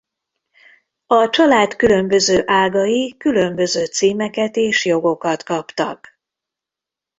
A család különböző ágai különböző címeket és jogokat kaptak.